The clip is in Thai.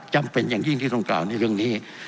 จำเป็นอย่างยิ่งที่ต้องกล่าวในเรื่องนี้